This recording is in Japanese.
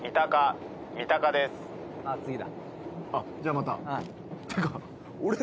じゃあまた。